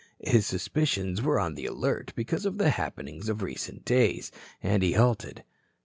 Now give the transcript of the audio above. His suspicions were on the alert because of the happenings of recent days, and he halted.